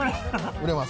売れます。